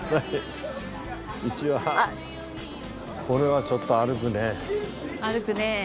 これはちょっと歩くね。